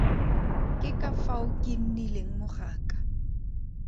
Ke ka fao ke nnileng mogaka.